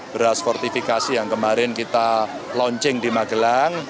berdasar fortifikasi yang kemarin kita launching di magelang